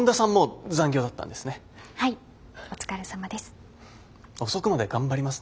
お疲れさまです。